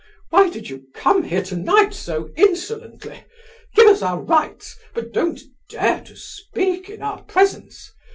Why did you come here tonight so insolently? 'Give us our rights, but don't dare to speak in our presence.